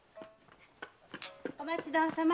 お待ちどおさま。